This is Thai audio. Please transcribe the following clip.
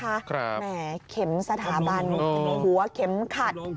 แหมเข็มสถาบันหัวเข็มขัด